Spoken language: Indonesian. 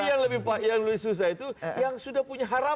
tapi yang lebih susah itu yang sudah punya harapan